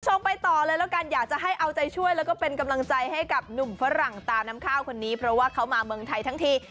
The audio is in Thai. คุณผู้ชมไปต่อเลยแล้วกันอยากจะให้เอาใจช่วยแล้วก็เป็นกำลังใจให้กับหนุ่มฝรั่งตาน้ำข้าวคนนี้เพราะว่าเขามาเมืองไทยทั้งที